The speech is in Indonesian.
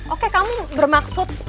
oke kamu bermaksud